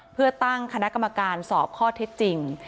เพื่อตั้งคณะกรรมการสอบข้อเท็จจริง